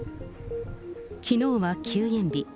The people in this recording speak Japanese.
きのうは休演日。